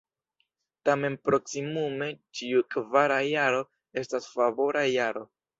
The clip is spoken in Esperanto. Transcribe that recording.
Tamen proksimume ĉiu kvara jaro estas favora jaro.